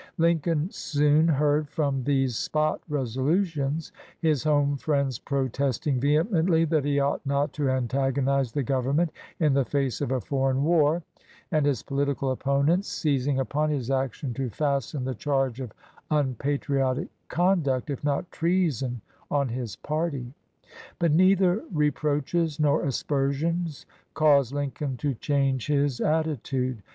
Lincoln soon heard from these "Spot Resolu tions," his home friends protesting vehemently that he ought not to antagonize the gov ernment in the face of a foreign war, and his political opponents seizing upon 153 LINCOLN THE LAWYER his action to fasten the charge of unpatri otic conduct, if not treason, on his party. But neither reproaches nor aspersions caused Lincoln to change his attitude.